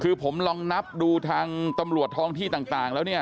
คือผมลองนับดูทางตำรวจท้องที่ต่างแล้วเนี่ย